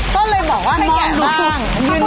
ก็เลยบอกว่าให้แกะบ้าง